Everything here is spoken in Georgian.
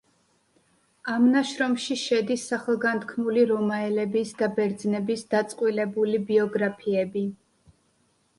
ამ ნაშრომში შედის სახელგანთქმული რომაელების და ბერძნების დაწყვილებული ბიოგრაფიები.